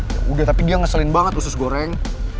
ya udah tapi dia ngeselin banget usus goreng